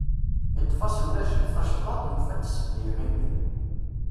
Iṭṭef-as unajjel tacḍaḍt, yufa-d sseba i yiɣimi.